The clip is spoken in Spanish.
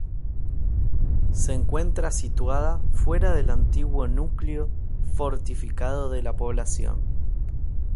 Se encuentra situada fuera del antiguo núcleo fortificado de la población.